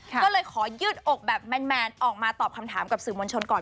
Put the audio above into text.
ก็เลยขอยืดอกแบบแมนออกมาตอบคำถามกับสื่อมวลชนก่อน